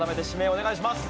お願いします！